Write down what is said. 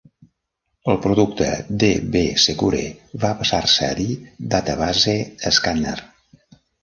El producte DbSecure va passar-se a dir Database Scanner.